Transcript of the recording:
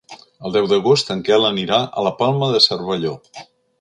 El deu d'agost en Quel anirà a la Palma de Cervelló.